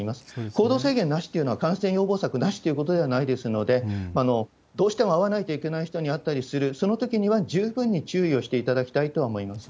行動制限なしっていうのは、感染予防策なしってことではないですので、どうしても会わないといけない人に会ったりする、そのときには十分に注意をしていただきたいとは思います。